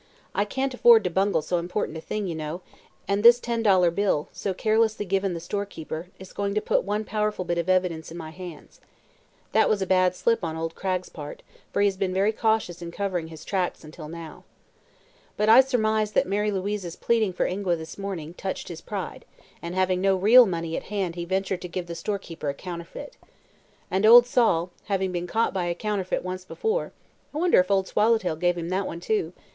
I can't afford to bungle so important a thing, you know, and this ten dollar bill, so carelessly given the storekeeper, is going to put one powerful bit of evidence in my hands. That was a bad slip on old Cragg's part, for he has been very cautious in covering his tracks, until now. But I surmise that Mary Louise's pleading for Ingua, this morning, touched his pride, and having no real money at hand he ventured to give the storekeeper a counterfeit. And old Sol, having been caught by a counterfeit once before I wonder if Old Swallowtail gave him that one, too?